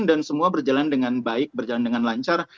dan semua berjalan dengan baik berjalan dengan lancar